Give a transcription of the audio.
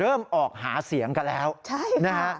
ออกหาเสียงกันแล้วนะฮะ